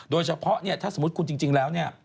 โดยเฉพาะเนี่ยถ้าสมมุติคุณจริงแล้วเนี่ย